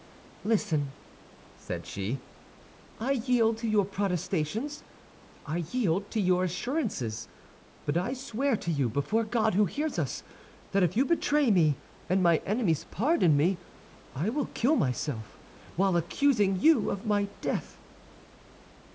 "Listen," said she; "I yield to your protestations, I yield to your assurances. But I swear to you, before God who hears us, that if you betray me, and my enemies pardon me, I will kill myself, while accusing you of my death."